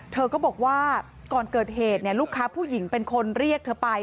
เธอก็บอกว่าก่อนเกิดเหตุลูกค้าผู้หญิงเป็นคนเรียกเธอไป